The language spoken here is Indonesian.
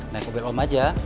nah aku belom aja